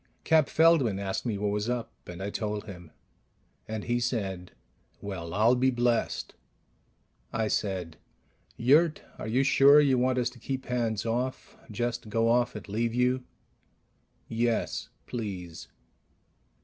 Cap Feldman asked me what was up, and I told him, and he said, "Well, I'll be blessed!" I said, "Yurt, are you sure you want us to keep hands off ... just go off and leave you?" "Yes, please."